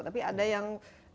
tapi ada yang